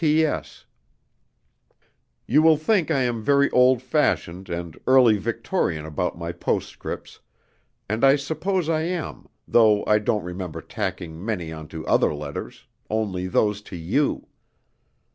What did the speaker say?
"P. S. You will think I am very old fashioned and early Victorian about my postscripts, and I suppose I am, though I don't remember tacking many onto other letters, only those to you.